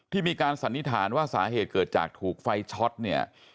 มีการสันนิษฐานว่าสาเหตุเกิดจากถูกไฟช็อตเนี่ย